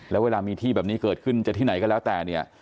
แล้วเวลามีที่แบบนี้เกิดขึ้นจะที่ไหนก็แล้วแต่เนี่ย